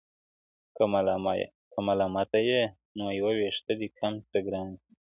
که ملامته يې نو يو ويښته دې کم سه گراني~